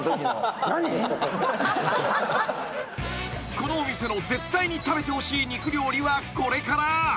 ［このお店の絶対に食べてほしい肉料理はこれから］